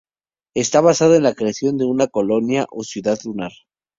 Está basado en la creación de una colonia o ciudad lunar.